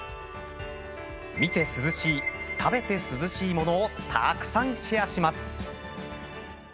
見て涼しい、食べて涼しいものをたくさんシェアします。